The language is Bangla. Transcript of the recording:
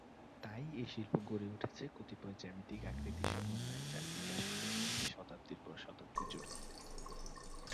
তাই এই শিল্প গড়ে উঠেছে কতিপয় জ্যামিতিক আকৃতির সমন্বয়ে, যার বিকাশ ঘটে চলেছে শতাব্দীর পর শতাব্দী জুড়ে।